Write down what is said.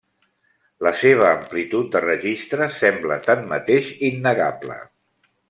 La seva amplitud de registres sembla, tanmateix, innegable.